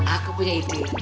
aku punya ide